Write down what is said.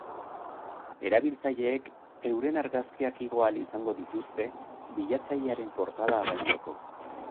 Erabiltzaileek euren argazkiak igo ahal izango dituzte, bilatzailearen portada apaintzeko.